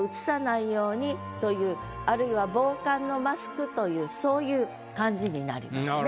あるいは防寒のマスクというそういう感じになりますね。